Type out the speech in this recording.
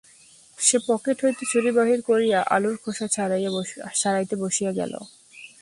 সে pocket হইতে ছুরি বাহির করিয়া আলুর খোসা ছাড়াইতে বসিয়া গেল।